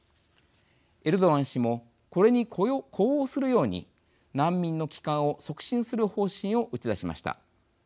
エルドアン氏もこれに呼応するように難民の帰還を促進する方針を打ち出しました。